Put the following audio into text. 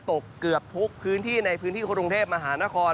เกือบทุกพื้นที่ในพื้นที่กรุงเทพมหานคร